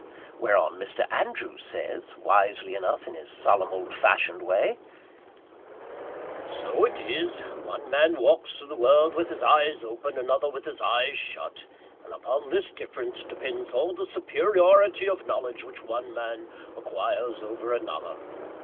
Whereon Mr. Andrews says, wisely enough, in his solemn old fashioned way, "So it is. One man walks through the world with his eyes open, another with his eyes shut; and upon this difference depends all the superiority of knowledge which one man acquires over another.